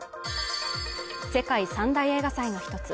世界３大映画祭の一つ